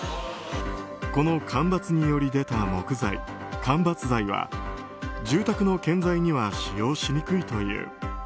この間伐により出た木材間伐材は住宅の建材には使用しにくいという。